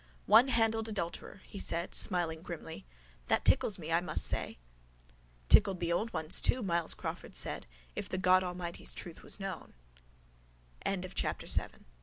—Onehandled adulterer, he said smiling grimly. That tickles me, I must say. —Tickled the old ones too, Myles Crawford said, if the God Almighty's truth was kno